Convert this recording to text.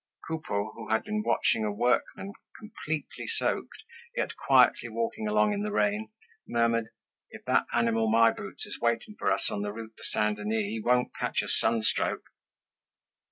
Coupeau, who had been watching a workman, completely soaked, yet quietly walking along in the rain, murmured: "If that animal My Boots is waiting for us on the Route de Saint Denis, he won't catch a sunstroke."